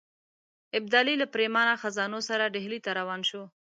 ابدالي له پرېمانه خزانو سره ډهلي ته روان شو.